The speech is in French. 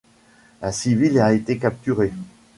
Un civil a été capturé ?!